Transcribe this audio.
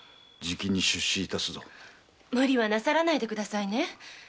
無理はなさらないでくださいね。